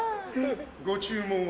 ご注文は？